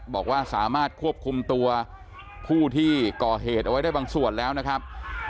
บอกว่าสามารถควบคุมตัวผู้ที่ก่อเหตุเอาไว้ได้บางส่วนแล้วนะครับ